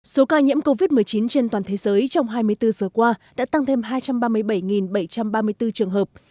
số ca nhiễm covid một mươi chín trên toàn thế giới trong hai mươi bốn giờ qua đã tăng thêm hai trăm ba mươi bảy bảy trăm ba mươi bốn trường hợp